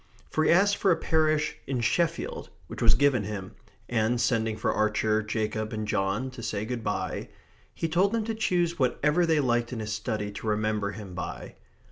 For he asked for a parish in Sheffield, which was given him; and, sending for Archer, Jacob, and John to say good bye, he told them to choose whatever they liked in his study to remember him by.